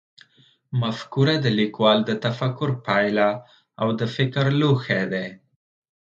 مفکوره د لیکوال د تفکر پایله او د فکر لوښی دی.